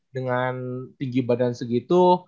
dengan tinggi badan segitu